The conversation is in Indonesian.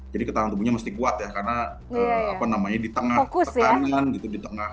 jadi ketahanan tubuhnya mesti kuat ya karena apa namanya di tengah tekanan gitu di tengah